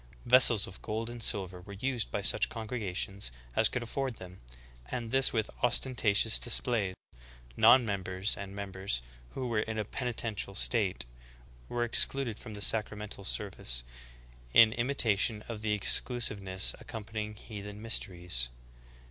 Vessels of gold and silver were used by such congregations as could afford them, and this with ostentatious display. Non members and members "who were in a penitential state" were excluded from the sacramental service — in imitation of the exclusive ness accompanying heathen mysteries.